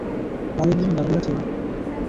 তাদের কি কোন গ্যালারি আছে?